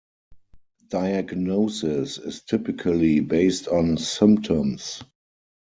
Diagnosis is typically based on symptoms.